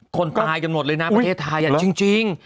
คนตายกับมดเป็นทางทายจริง